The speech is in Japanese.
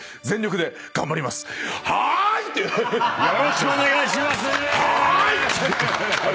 よろしくお願いします！